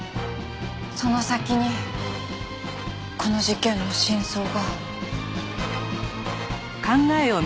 その先にこの事件の真相が。